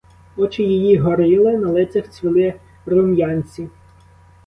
Очі її горіли, на лицях цвіли рум'янці.